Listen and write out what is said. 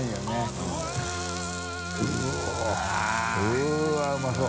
うわぁうまそう。